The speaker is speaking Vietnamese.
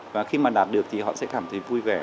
và khi mà đạt được thì họ sẽ cảm thấy vui vẻ